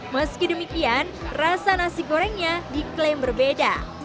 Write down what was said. meski demikian rasa nasi gorengnya diklaim berbeda